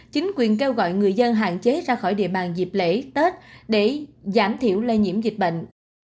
chính quyền kêu gọi người dân hạn chế ra khỏi địa bàn dịp lễ tết để giảm thiểu lây nhiễm dịch bệnh